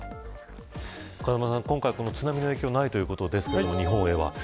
風間さん、今回、津波の影響はないということですが日本へは。